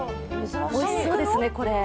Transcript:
おいしそうですね、これ。